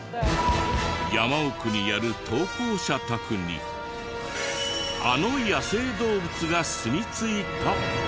山奥にある投稿者宅にあの野生動物がすみ着いた。